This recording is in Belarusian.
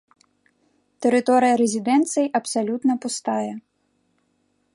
Тэрыторыя рэзідэнцыі абсалютна пустая.